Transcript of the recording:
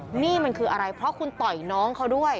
นี่มันคืออะไรเพราะคุณต่อยน้องเขาด้วย